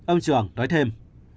ông trường nói thêm